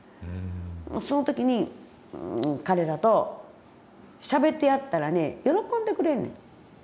その時に彼らとしゃべってやったらね喜んでくれんねん。